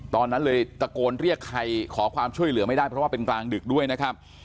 ตอนนั้นเลยตะโกนเรียกใครขอความช่วยเหลือไม่ได้เพราะว่าเป็นกลางดึกด้วยนะครับ